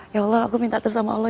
ya allah aku minta terus sama allah